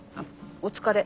お疲れ。